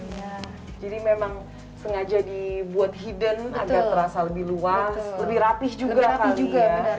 iya jadi memang sengaja dibuat hidden agar terasa lebih luas lebih rapih juga kali ya